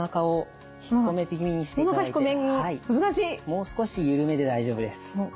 もう少し緩めで大丈夫です。